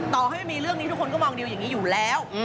ต่อให้ไม่มีเรื่องนี้ทุกคนก็มองดิวอย่างนี้อยู่แล้ว